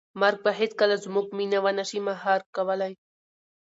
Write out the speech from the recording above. مرګ به هیڅکله زموږ مینه ونه شي مهار کولی.